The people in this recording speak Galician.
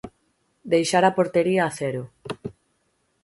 Deixar a portería a cero.